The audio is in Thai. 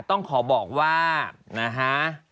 ต้องขอบอกว่านะฮะ